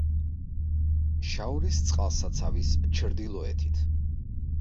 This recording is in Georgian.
შაორის წყალსაცავის ჩრდილოეთით.